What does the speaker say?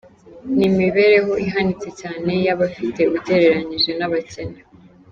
n’imibereho ihanitse cyane y’abifite ugereranyije n’abakene.